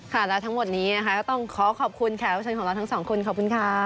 ค่ะแล้วทั้งหมดนี้นะคะต้องขอขอบคุณแข่วชนของเราทั้งสองคุณขอบคุณค่ะ